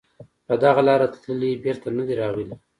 په دغه لاره تللي بېرته نه دي راغلي